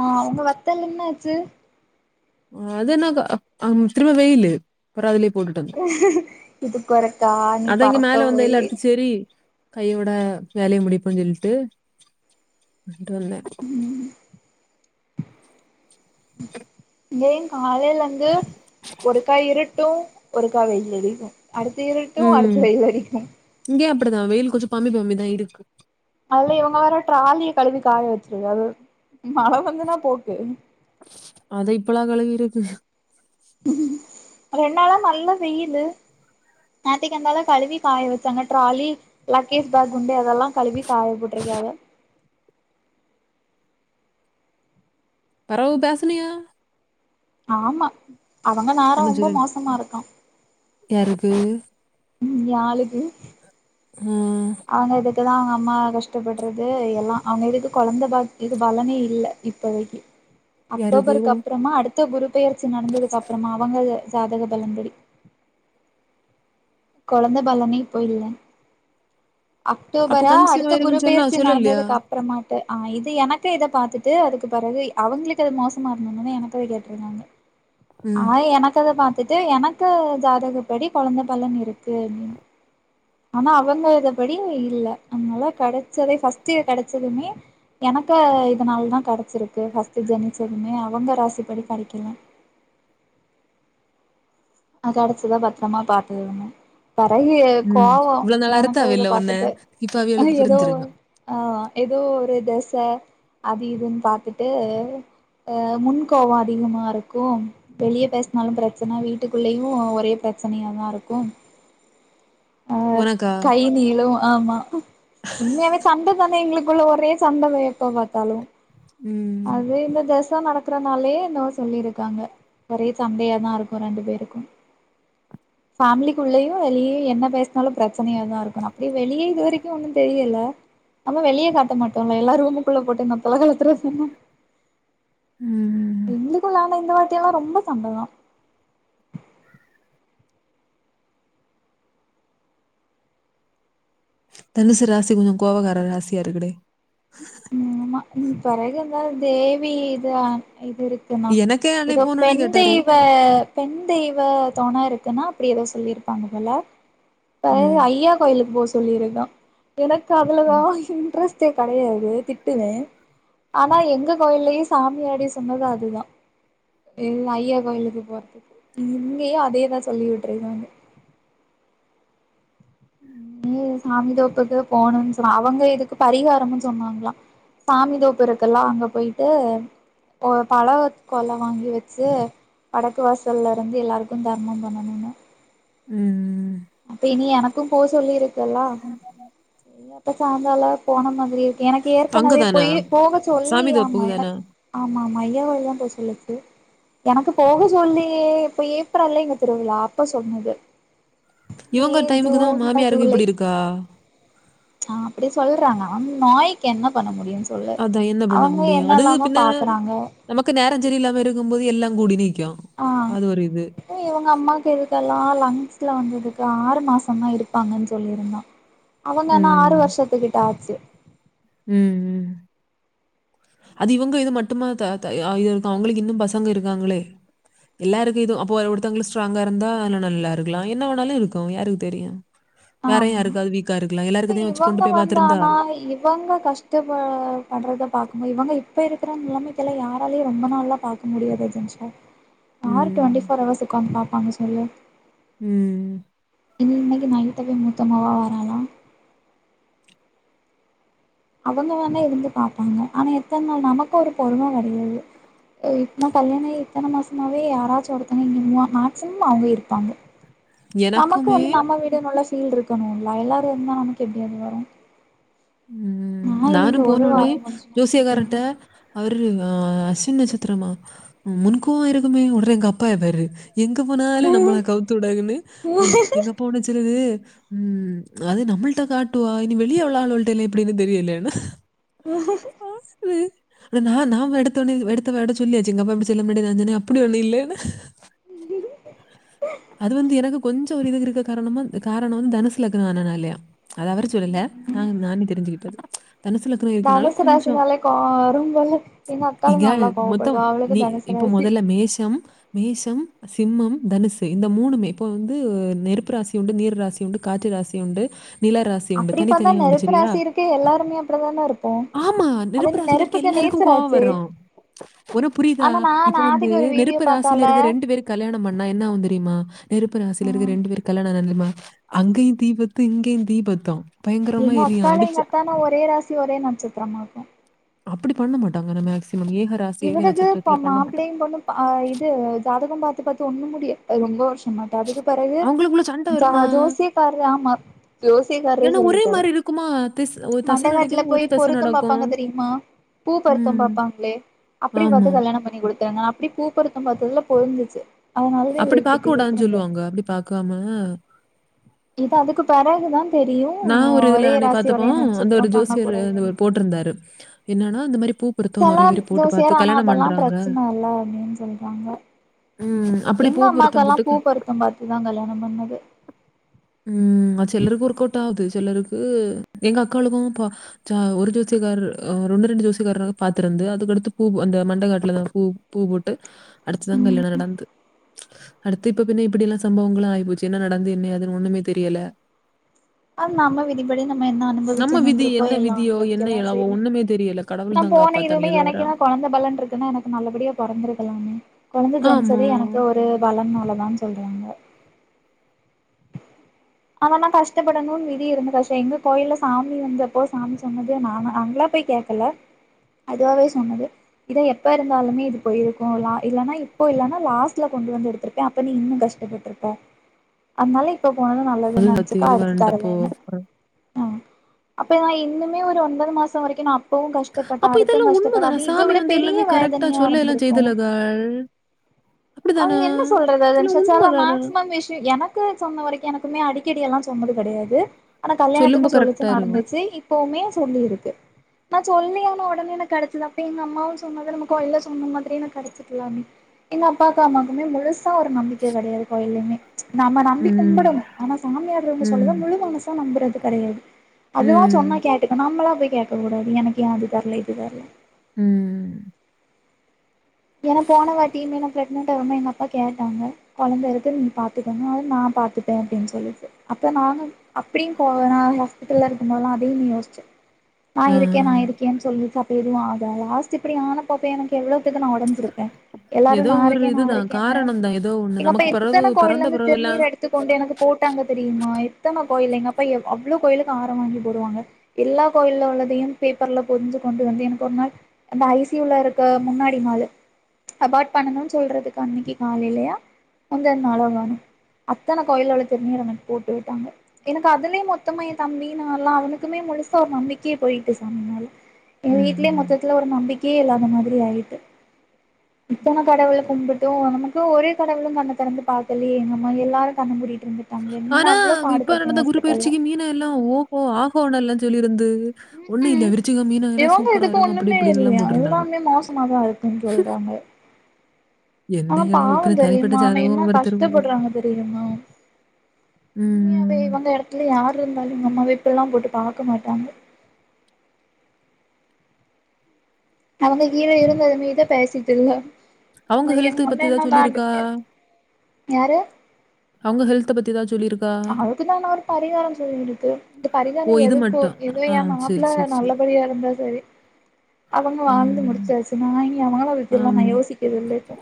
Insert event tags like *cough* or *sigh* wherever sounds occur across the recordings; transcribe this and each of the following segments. ஆ உங்க வத்தல் என்ன ஆச்சு அ அது என்னாக்கா அம் திரும்ப வெயிலு அப்புறொ அதுலயே போட்டுட்டு வந்தோ இதுக்கு ஒருக்கா நீ அதா இங்க பறக்க மேல வந்தைல போயி அடுத்து செரி கையோட வேலைய முடிப்போன் சொல்லிட்டு பொயிட்டு வந்தே இங்கேயு காலைலர்ந்தூ ஒருக்கா இருட் டு ஒருக்கா வெயில் அடிக்கு அடுத்து இருட்டு அடுத்து வெயில் அடிக்கு இங்கயு அப்டிதா வெயில் கொஞ்சொ பம்மி பம்மிதா இருக்கு அதுலயு இவங்க வேற ட்ராலிய கழுவி காய வச்சிருக்காவு மழ வந்துன்னா போக்கு அத இப்பலா கழுவி இருக்கு ரெண் நாளா நல்ல வெயிலு நேத்தைக்கந்தால கழுவி காய வச்சாங்க ட்ராலி லக்கேஜ் பேக்குண்டு எதெல்லா கழுவி காய போட்ருக்காவ பெறவு பேசுனியா ஆமா அவங்க நேரோ ரொம்ப மோசமா இருக்கா யாருக்கூ உம் ஏ ஆளுக்கு உம் அவங்க இதுக்குதா அவங்கம்மா கஷ்டப்பட்றது எல்லா அவங்க இதுக்கு கொழந்த பாக் இது பலனே இல்ல இப்பொதைக்கி யாருக்கு உங்க- அக்டோபருக்கப்றமா அடுத்த குருபெயர்ச்சி நடந்ததுக்கப்பறமா அவங்க ஜாதக பலன்படி கொழந்த பலனே இப்போ இல்ல அப்ப அக்டோபரா கன்சீவ் அடுத்த ஆயிருக்குன்னு சொன்னா அவ குருபெயர்ச்சி சொல்லலையா நடந்ததுக்கு அப் பறமாட்டு ஆ இது எனக்கு இத பாத்துட்டு அதுக்கு பிறகு அவங்களுக்கு அது மோசமா இருந்தோன்ன எனக்கு அத கேட்டிருந்தாங்க ம் ஆ எனக்கு அத பாத்துட்டு எனக்கு ஜாதகப்படி கொழந்த பலன் இருக்கு தென் ஆனா அவங்க இது படி இல்ல அதனால கிடைச்சதே ஃபர்ஸ்ட் இது கிடைச்சதுமே எனக்கு இதனாலதா கெடச்சிருக்கு ஃபர்ஸ்ட் ஜனிச்சதுமே அவங்க ராசிப்படி கெடைக்கலா அ கிடச்சத பத்திரமா பாத்துகரனு பறகு ம் கோவொ இவ்வளவு நாள் எனக்கு அறுத்தாவே இத இல்ல உன்ன பாத்துட்டு இப்ப அவியலுக்கு ஏதோ புரிஞ்சிருக்கான் ஆ ஏதோ ஒரு தெச அது இதுன்னு பாத்துட்டு ஆ முன்கோவம் அதிகமா இருக்கும் வெளிய பேசினாலும் பிரச்சன வீட் வீட்டுக்குள்ளேயு ஒரே பிரச்சனையாதா இருக்கு ஆ உனக்கா கை நீளும் ஆமா உண்மையாவே சண்ட தானே எங்களுக்குள்ள ஒரே சண்ட எப்ப பாத்தாலு ம் அது என்ன தெ அ நடக்கறனாலயே என்னவோ சொல்லியிருக்காங்க ஒரே சண்டையாதா இருக்கும் ரெண்டு பேருக்கு ஃபேமிலிக்குள்ளேயும் வெளியேயும் என்ன பேசுனாலும் பிரச்சனையாதா இருக்கு அப்படியே வெளியே இது வரைக்கு ஒன்னு தெரியல ஆனா வெளியே காட்ட மாட்டோம்லல்ல எல்லா ரூமுக்குள்ள போட்டு *unintelligible* ம் எங்களுக்கும்ள்ளனா இந்த வாட்டி எல்லா ரொம்ப சண்டதா தனசு ராசி கொஞ்ச கோவாகார ராசியா இருக்குடே ம் ஆமா பெறகு இந்த தேவி இதா இது இருக் எனக்கே *unintelligible* அன்னை இதோ போனோடனே பெண் கேட்டாரு தெய்வ பெண் தெய்வ தொண இருக்குன அப்டி ஏதோ சொல்லியிருப்பாங்க போல ஆ ம். ஐயா கோயிலுக்கு போ சொல்லியிருக்கா எனக் அதுல தா ம். இன்ட்ரெஸ்ட்டே கெடையாதே திட்டுவேன் ஆனா எங்க கோயிலயே சாமியாடி சொன்னது அதுதா ஐயா கோயிலுக்கு போறதுக்கு இங்கேயும் அதே தா சொல்லிட்டுருக்காங்க ம் சாமிதோப்புக்கு போணுன் சொ அவங்க இதுக்கு பரிகாரம்னு சொன்னாங்களா சாமிதோப்பு இருக்கில்ல அங்க போய்ட்டு ஓ பாலக் கொல வாங்கி வச்சு வடக்கு வாசல்லருந்து எல்லாருக்கு தர்மம் பண்ணனுனு ம் அப்ப இனி எனக்கும் போ சொல்லிருக்குல்லா செரி அப்ப *unintelligible* போன மாதிரி எனக்கு ஏற்கனவே அங்கதானா? போயி போக சாமி சொல்லியாமா தோப்புக்கு என தானா? ஆமாமா ஐயா கேயில் தா போ சொல்லீர்க்கு எனக்கு போக சொல்லியே இப்ப ஏப்ரல்ல இங்க திருவிழா அப்ப சொன்னது மே இவங்க டைமுக்கு தான் ஜுன் மாமியாருக்கு ஜுலை இப்படி இருக்கா? ஆ அப்டி சொல்றாங்க ம் நோய்க்கு என்ன பண்ண முடியும் தோழர் அதான் என்ன பண்ண அவங்க முடியும்? அது என்னல்லாமோ பின்ன பாக்கறாங்க நமக்கு நேரஞ் செரி இல்லாம இருக்கும் போது எல்லா கூடி நிக்கு ஆ அது ஒரு இது இவங்க அம்மாவுக்கு இதுக்கெல்லாம் லங்ஸ்ல வந்தது கா ஆறு மாசம் தா இருப்பாங்கன் சொல்லிருந்தா அவங்க அனா ம். ஆறு வருஷத்துக்கிட்ட ஆச்சு ம் ம் அது இவங்க இது மட்டுமா தா தா ஆ இது அவங்களுக்கு இன்னு பசங்க இருக்காங்களே எல்லாருக்கு இதுவு அப்போ ஒரு ஒருத்தவங்களு ஸ்ட்ராங்கா இருந்தா நல்லா இருக்கலா என்ன வேணாலு இருக்கு யாருக்கு தெரியும் வேற ஆமா யாருக்காவது வீக்கா இருக்கலா எல்லாருக்கு இதே வெச்சு கொண்டு போய் பாத்துருந்தா ரொம்ப கஷ்டப்ப படுறத பாக்குபோ இவங்க இ இப்ப இருக்கிற நிலமைக்கெல்லா யாராலயு ரொம்ப நாள்ளா பாக்க முடியாது ஏஜென்ஸா ஆர்ட்ட ம். வண்டி உக்கார *unintelligible* உக்கான் பாப்பாங் சொல்லு ம் இன் இன்னைக்கு நைட்டு தா மூத்த மவ வராலா அவங்க வேனா இருந்து பாப்பாங்க ஆனா எத்தன் நாள் நமக்கு ஒரு பொறும கெடையாது இப்னா கல்யாண ஆயி இத்தன மாசமாவே யாராச்சு ஒருத்தங்க இங்க மேக்ஸிமம் அவங்க இருப்பாங்க நமக்கு எனக்குமே வந்து நம்ம வீடுன் உள்ள ஃபீல் இருக்கணுல்ல எல்லாரு இருந்தா நமக்கு எப்படி அது வரு ம் நா இனி இந்த நானும் ஒரு போனொன்னே வாரோ முடிச்சு எங்க ஜோசியக்கார்ட்ட வீட்டுக்கு அவுரு ஆ அஸ்வின் நட்சத்திரமா முன்கோவம் இருக்குமே அவுரு எங்க அப்பா இருந்தாரு எங்க போனாலு நம்மள கவுத்து உடாங்கன்னு ஒட எங்க அப் பா ஒன்னு சொல்லுது ம் அது நம்மள்ட்ட காட்டுவா இனி வெளிய உள்ள ஆளுள் ட்ட எப்படின்னு தெரியில்ல என்ன நா நாவ் எடுத்தொன்னே எடுத்தவேட சொல்லியாச்சி எங்க அப்பா இப்டி சொல்லும் முன்னாடி நா சொன்ன அப்படி ஒண்ணு இல்லன்னு அது வந்து எனக்கு கொஞ்சோ ஒரு இது இருக்க காரணமு காரணம் தனுசுலக்னம் ஆனனாலயா அது அவரு சொல்லல ம் நான் நானு தெரிஞ்சுகிட்டது தனசுலக்கணோ இருக்கனால தனுசு கொஞ்சொ ராசினாலே கோவம் வரும்போல எங்க அக்காலா இங்க நல்லா மொத்தொம் கோவப்படுவா அவளுக்கு தனுசு இப்போ ராசி மொதல்ல மேஷம் மேஷம் சிம்மம் தனுஷ் இந்த மூணுமே இப்ப வந்து நெருப்பு ராசி உண்டு நீர் ராசி உண்டு காற்று ராசி உண்டு நிலரா சி உண்டு அப்டி பாத்தா தனித்தனியா உண்டு நெருப்பு செரியா ராசி இருக்கு எல்லாருமே அப்டிதான இருப்போ ஆமா அது நெருப்பு ராசில்லரிக் கெ நெருப்புக்கு எல்லாருக்கு நேச்சர் கோவோ ஆச்சே வர்றோ உனக் புரியுதா ஆனா நா இப்ப வந்து நாதிக்கு ஒரு வீடியோ நெருப்பு ராசியில பாத்தால இருக்கிற ரெண்டு பேருக் கல்யாணம் பண்ணா என்னா ஆவுந் தெ ரியுமா நெருப்புராசில இருக்க ம் ரெண்டு பேருக்கு கல்யணம் ஆனா என்ன தெரியுமா அங்கேயு தீபத்து இங்கேயு தீபத்தோ எங்க அக்காலெ எங்க அத்தானு ஒரே ராசி ஒரே நட்சத்திரமா இருக்கு அப்படி பண்ண மாட்டாங்க மேக்சிமம் ஏக ராசி ஏக இவளது இப்ப நட்சத்திரத்துல பண்ண மாட்டாங்க மாப்பிள்ளையு பொண்ணு ஆ இது ஜாதகம் பார்த்து பார்த்து ஒண்ணு முடியல ரொம்ப வருஷமா அதுக்கு பெறகு அவங்களுக்குள்ள சண்டை ஜா வருமா ஜோசியக்காரர் ஆமா ஜோசியக்காரரே ஏன்னா ஒரே சொல்லிட்டாரு மாதிரி இருக்குமா திஸ் ஒரு தசை மண்டகாத்துல நடக்குது போய் ஒரே தசை பொருத்தம் நடக்கும். பாப்பாங்க தெரியுமா பூ பொருத்தம் ம். பாப்பாங்களே அப்படி ஆமா. பாத்து கல்யாணம் பண்ணி கொடுத்தாங்க அப்டி பூ பொருத்தம் பார்த்ததுல பொருந்துச்சு அதனாலதா அப்படி இவருக்கு பாக் கட்டி கூடாஞ் குடுத்தாங்க சொல்லுவாங்க அப்படி பாக்காம இது அதுக்கு பெறகுதான் நா ஒரு இதுல அன்னைக் பாத்தப்போ அந்த ஒரு நட்சத்திரம் பண்ண ஜோசியர் அந்த கூடாதுன்னு ஒரு போட்ருந்தாரு என்னன்னா அந்த மாரி பூ பொருத்தம் நெறைய செளான் பேர் போட்டு ஜோசியர் பார்த்து ஆனா கல்யாணம் அதெல்லா பண்றாங்க. பிரச்சன இல்ல அப்படின் சொல்டிராங்க ம். அப்படி எங்க பூ பொருத்தம் அம்மாக்கெல்லா போட்டு க பூ பொருத்தம் பாத்துதா கல்யாணம் பண்ணது ம் அது சில்லருக்கு ஒர்க் அவுட் ஆகுது சில்லருக்கு எங்க அக்காளுக்கு ப அச்சா ஒரு ஜோசியக்கார் ஒ ஒன்னு ரெண்டு ஜோசிக்கார்ரு பாத்துருந்து அதுக்கடுத்து பூ அந்த மண்டகாட்டுலதா பூ பூ போட்டு அடுத்துதா கல்யாண நடந்து அடுத்து இப்ப பின்னே இப்படில்லா சம்பவங்கள் ஆய் போச்சு என்ன நடந்து இன்னியாது ஒண்ணுமே தெரியல அ நம்ம விதிபடி நம்ம என்ன நம்ம அனுபவிக்கணோன் விதி இருக்கோ என்ன எல்லா விதியோ, என்ன அனுபவிக்கதா எழவோ செய்னு ஒண்ணுமே தெரியல. நா கடவுள் தான் போன காப்பாத்தான இதுவுமே எது வர எனக்கு எல்லா கொழந்த பலன் இருக்குன்னா எனக்கு நல்லபடியா பொறந்திருக்கலாமே கொழந்த ஆமா. ஜெனிச்சதே எனக்கு ஒரு பலனாலதான் சொல்றாங்க *inaudible* அதெல்லா கஷ்டப்படணுன் விதி இருந்த கஷ்டோ எங்க கோயில்ல சாமி வந்தப்போ சாமி சொன்னது நானு அங்கலா போய் கேக் கல அதுவாவே சொன்னது இத எப்ப இருந்தாலுமே இது போயிருக்கு லா இல்லன்னா இப்போ இல்லனா லாஸ்ட்ல கொண்டு வந்து எடுத்திருக் அப்ப நீ இன்னு கஷ்டப்பட்டுருப்ப அதனால இப்ப போனது அது நல்லதுன் சத்தி நெனச்சுக்கோ அது அடுத்து வரண்டப்போ தருவேன்னு அ அப்ப நா இன்னுமே ஒரு ஒன்பது மாசோ வரைக்கு நா இப்பவு கஷ்டப்பட்ட அப்ப அடுத்து இதெல்லாம் கஷ்டப்பட்ட உண்மதானா? அது இத சாமி விட வந்து பெரிய எல்லாமே கரெக்ட்டா வேதனையா சொல்ல எல்லாம் இருந்திருக்கு செய்தலகள். அப்படிதானா? அத என்ன சொல்றது அதன் இதெல்லாம் சச்சாலாலு உண்மதானா? மேக்சிமம் விஷி எனக் கு சொன்ன வரைக்கு எனக்குமே அடிக்கடி எல்லா சொன்னது கடையாது ஆனா சொல்லும்போ கல்யாணத்துக்குமே சொல்லுச்சு கரெக்ட்டா இருக்கும். நடந்துச்சு இப்போவுமே சொல்லியிருக்கு நா சொல்லியுன் ஒடனே எனக்கு கெடச்சது அப்ப எங்க அம்மாவு சொன்னது நம்ம கோயில்ல சொன்ன மாதிரியே நா கெடச்சிருக்கலாமே எங்க அப்பாவுக்கு அமாக்குமே முழுசாக ஒரு நம்பிக்க கடையாது கோயிலியுமே நாம நம்பி ம். கும்புடும் ஆனா சாமியார்கள்க சொல்லறத ம். முழு மனசா நம்புறது கடையாது அதுவா சொன்னா ம். கேட்டுக்க நம்மளா போய் கேக்க கூடாது எனக்கு ஏ அது தரல இது தரல ம் இல்லனா போன வாட்டியுமே நா கேட் என்னட்ட வந்து எங்க அப்பா கேட்டாங்க கொழந்த இருக்கு நீ பாத்துக்கோனு அது நா பாத்துப்பே அப்டின் சொல்லிட்டு அப்ப நானு அப்டியு போவனா ஹாஸ்பிட்டல்ல இருக்கும்போதெல்லா அதையு யோஸ்ச்ச நா ஆ. இருக்கே நா இருக்கேன் சொல்லுச்சு அப்ப எதுவு ஆகாதா லாஸ்ட் இப்படி ஆனா போப்பே எனக்கு எவ்ளோ தெர்மா ஒட சிருப்ப எல்லாரு ஏதோ நா ஒரு இருக்கே நா இதுதான். இருக்கேனு காரணம் தான். ஏதோ ஒண்ணு. இல்ல இப்ப நமக்கு பிறவு எத்தன பிறந்த கோயில்லந்து பிறவெல்லாம் திருநீர் எடுத் து கொண்டு எனக்கு போட்டாங்க தெரியுமா எத்தன கோயில்ல எங்க அப்பா எவ் அவ்ளோ கோயிலுக்கு ஆரோ வாங்கி போடுவாங்க எல்லா கோயில்ல உள்ளதயு பேப்பர்ல பொரிஞ்சு கொண்டு வந்து எனக்கு ஒரு நாள் அந்த ஐ சி யூல இருக்க முன்னா டி நாளு அபார்ட் பண்ணணுன் சொல்றதுக்கு அன்னைக்கி காலைலயா முந்தன் நாளாவா அத்தன கோயில்ல உள்ள திருநீர் எனக் போட்டு விட்டாங்க எனக்கு அதுலயு மொத்தமா எ தம்பி நால்லா அவனுக்குமே முழுசா ஒரு நம்பிக்கையே போயிட்டு சாமிமேல எங்க ம். வீட்லே ம். மொத்தத்துல ஒரு நம்பிக்கியே இல்லாத மாதிரி ஆயிட்டு இத்தன கடவுள கும்பிட்டு நமக்கு ஒரே கடவுளு கண்ண திறந்து பாக்கலையே நம்ம எல்லாரு கண்ண மூடிட்ருந்து தாங்க உண்மேலு அவ்ளோ பாடுபட்ட ஹாஸ்பிட்டல்ல னே எல்லா ஓஹோ ஆஹோனுலா சொல்லிருந்து ஒண்ணு இல்ல ம்ஹூம் விரிச்சகோ மீனோ எல்லா இவங்க சூப்பரா இதுக்கு இருக்கு அப்டி ஒண்ணுமே இப்டின்லா இல்லையா போட்டிருந்தாங்க எல்லாமே மோசமாதா என்ன அவன் எல்லாம் பாவோ ஒருத்தர் தனிப்பட்ட தெரியுமா அவ ஜாதகம் என்ன ஒவ்வொருத்தரும் ஒவ்வொரு கஷ்டப்படுறாங்க தெரியுமா உண்மையாவே ம். இவங்க எடத்துல யாரு இருந்தாலு இவுங்க அம்மாவ இப்பல்லா போட்டு பாக்க மாட்டாங்க அவுங்க கீழ இருந்தது மீதே பேசிட்டு அவங்க இல்ல ஹெல்த் என் ஒன்ன பத்தி ஏதாவது என்ன தாண்டு சொல்லியிருக்கா? யாரு அவுங்க ஹல்த்த பத்தி ஏதா சொல்லிரு அதுக்குதா இன்னொரு பரிகாரோ சொல்லிருக்கு அந்த ஓ! பரிகாரோ இது எதுக்கோ மட்டும். ஆ இல்லயா சரி, மாப்புள்ள சரி, சரி. நல்லபடியா இருந்தா செரி அவுங்க வாழ்ந்து ம். முடிச்சாச்சு நா இனி அவுங்கள பத்திலா நா ஆமா, யோசிக்கிறது இல்ல இப்ப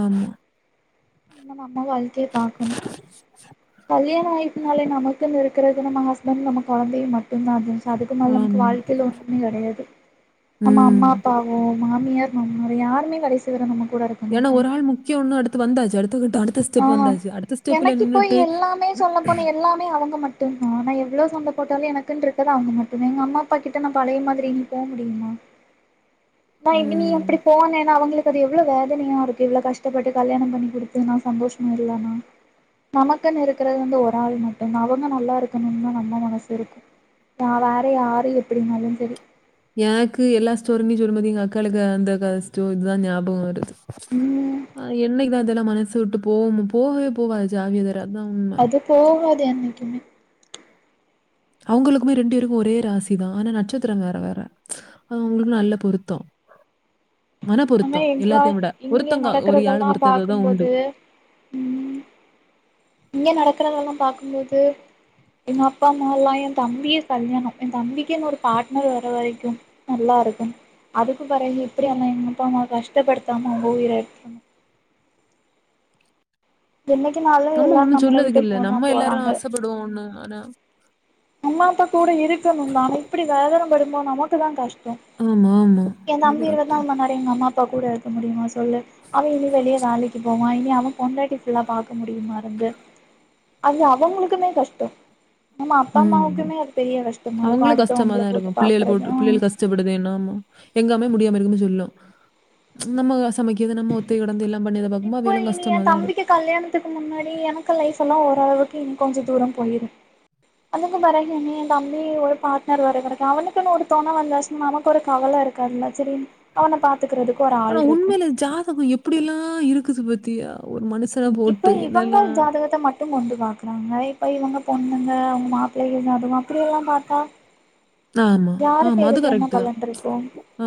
ஆமா நம் நம்ம வாழ்க்கைய பாக்கணு கல்யானோ ஆயிர்ச்சுனாலே நமக்குனு இருக்குறது நம்ம ஹஸ்பண்ட் நம்ம கொழந்தைங்க மட் ந்தா *unintelligible* அதுக்கு மேல நம்மக்கு ஆமா. வாழ்க்கைல ஒன்னுமே கடையாது நம்ப ம். அம்மா அப்பா ஓ மாமியார் மாமனார் யாருமே கடைசி வர நம்ம கூட இருக் ஏனா ஒரு ஆள் முக்கியோனு அடுத்து வந்தாச்சு அடுத்தக்கட்ட அடுத்த ஆ ஸ்டெப் வந்தாச்சு. அடுத்த ஸ்டெப்ல எனக்கு இப்போ நின்னுட்டு எல்லாமே சொல்ல போனா எல்லாமே அவுங்க மட்டுந்தா ஆனா எவ்ளோ சண்ட போட்டாலு எனக்குன் இருக்கது அவ்ங்க மட்டுந்தே எங்க அம்மா அப்பாக்கிட்ட நா பழைய மாதிரி இனி போ முடியுமா *inaudible* நா எங்க நீயும் ம். அப்டி போனேனா அவ்ங்களுக்கு அது எவ்ளோ வேதனையா இருக்கு இவ்ளோ கஷ்டப்பட்டு கல்யாணம் பண்ணிக் குடுத்து நா சந்தோஷமா இல்லனா நமக்குன்னு இருக்குறது வந்து ஒராள் மட்டுந்தா அவ்ங்க நல்லா இருக்கணுன் தா நம்ம மனசு இருக்கு நா வேற யாரு எப்டி இருந்தாலுச் செரி எனக்கு எல்லா ஸ்டோரியு நீ சொல்லும்போது எங்க அக்காளுங்க அந்த கத ஸ்டோர் இதா ஞாபகோ வருது ம் ஆ என்னைக்கு அதலா மனசு விட்டு போம் போகவே போவாது ஜாவியதரா அதாம் இது போகாது என்னைக்குமே அவ்ங்களுக்குமே ரெண்டு வேருக்கு ஒரே ராசிதா ஆனா நட்சத்திர வேற வேற அப்ப அவ்ங்களுக்கு நல்ல பொருத்தோ மன ஆனா பொருத்தோ எங்க எல்லாத்தையு விட இங்க பொருத்தங்கா நடக்கறதெல்லா ஒருயாளு ஒருத்ததா உண்டு பாக்கும்போது ம் இங்க நடக்குறதெல்லா பாக்கும்போது எங்க அப்பா அம்மாலா எ தம்பியே கல்யாண எ தம்பிக்கு இன்னொரு பாட்னர் வரவரைக்கு நல்லா இருக்கு அதுக்கு பெறகு எப்டியாது நா எங்க அப்பா அம்மாவ கஷ்டப்படுத்தாம அவுங்க உயிர எடுத்தர் இன்னைக்கு நாலு நம்ம ஒன்னு சொல்லதுக்கில்ல நம்ம எல்லாரு ஆசப்படுவோ ஒன்னு ஆனா அம்மா அப்பா கூட இருக்கணுந் தா ஆனா இப்டி வேதன படும்போது நமக்கு தா கஷ்டோ ஆமா ஆமா அது கரெக்ட்டு இப்ப எங்க அம்மா அப்பாக் கூட இருக்க முடியுமா சொல்லு அவ இனி வெளிய வேலைக்கு போவா இனி அவ பொண்டாட்டி புள்ள பாக்க முடியுமா இருந்து அது அவங்களுக்குமே கஷ்டோ ஆமா அப்பா ம். அம்மாவுக்குமே அது பெரிய கஷ்டமா இருக்கு அடுத்தவ்ங்கள கூப்ட்டு பாக்குறது கஷ்டப்படுத்தேனு ஆமா எங்கம்மாவே முடியாம இருக்கும் போது சொல்லு நம் மக சமைக்கிது நம்ம தி கெடந்து எல்லாம் பண்ணி அத பாக்கும் போது இப்போ அவிகளுக்கு இனி என் கஷ்டமாதா இருக் தம்பிக்கு கல்யாணத்துக்கு முன்னாடி எனக்கு லைஃபெல்லா ஓரளவுக்கு இன்னு கொஞ்ச தூர போயிரு அதுக்கும் பெறகு என்னைய எ தம்பி ஒரு பாட்னர் வர கெடக்கு அவனுக்குன்னு ஒரு தொண வந்தாச்சுனா நமக்கு ஒரு கவல இருக் காதுல செரி அவன பாத் த்துக்கிறதுக் ஒரு ஆ ஆனா உண்மைலே ஜாதக எப்டிலா இருக்குது பாத்தியா ஒரு மனுசன போட்டு என்னல்லா க்கு மட்டு பாக்குறாங்க இப்ப இவுங்க பொண்ணுங்க அவ்ங்க மாப்பிள்ளை என்ன அதுவு அப்டியெல்லா பாத்தா ஆமா யாருக்கு ஆமா அது எதுக்கு என்ன கரெக்ட்டு தா பலன் இருக்கு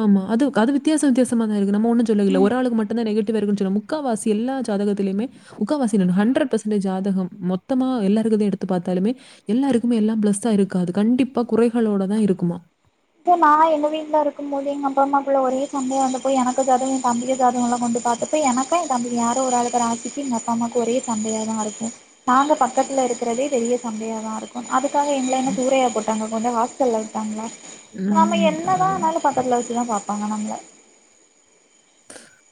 ஆமா அதுக் அது வித்தியாச வித்தியாசமாதா இருக்கு நம்ம ஒன்னு சொல்லக்கு ம் இல்ல ஒராளுக்கு மட்டுந்தா நெகட்டிவா இருக்குன் சொல்லாம முக்காவாசி எல்லா ஜாதகத்துலயுமே முக்காவாசி என்ன ஹண்ட்ரட் பெர்சன்ட்டேஜ் ஜாதகம் மொத்தமா எல்லாரு இதயு எடுத்து பாத்தாலுமே எல்லாருக்குமே எல்லா பிளஸ்ஸா இருக்காது கண்டிப்பா குறைகளோட தா இருக்குமா இப்ப நா எங்க வீட்ல இருக்கும் போது எங்க அப்பா அம்மாக்குள்ள ஒரே சண்டயா வந்தப்போ எனக்கு ஜாதக எ தம்பிய ஜாதகம்லா கொண்டு பாத் தப்ப எனக்கு எ தம்பிக்கு யாரோ ஒரு ஆளுக்கு ராசிக்கு எங்க அப்பா அம்மாவுக்கு ஒரே சண்டயா தா இருக்கு நாங்க பக்கத்ல இருக்குறதே பெரிய சண்டயாதா இருக்கு அதுக்காக எங்கள என்ன தூரையா போட்டாங்க கொண்டு ஹாஸ்டல்ல விட்டாங்ளா நம்ம ம். என்னதா ஆனாலு பக்கத்துல வெச்சுதா பாப்பாங்க நம்ள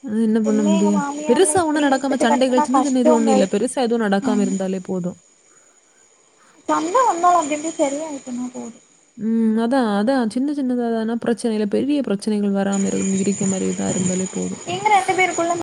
அ என்ன பண்ண உண்மையா எங்க முடியு மாமியார்லா பெருசா ஒன்னு இப்டி நடக்காம இப்டி சண்டைகள் கத்துனா சின்ன சண்டை இது கஷ்டோங்க ஒன்னுல்ல பெருசா எது நடக்காம ம் இருந்தாலே போது சண்ட வந்தாலு அப்டி இப்டி சரியாயிட்டான்னா போது ம் அதா அதா சின்ன சின்னதா தான பிரச்சனைகள பெரிய பிரச் பிரச்சனைகள் வராம இரு இருக்கே மாரிதாருந்தாலே போது புல்லன்னே